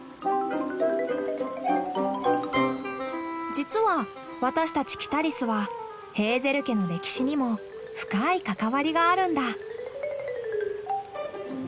実は私たちキタリスはヘーゼル家の歴史にも深い関わりがあるんだ。